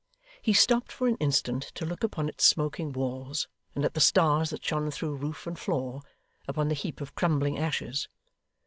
He stopped for an instant to look upon its smoking walls, and at the stars that shone through roof and floor upon the heap of crumbling ashes.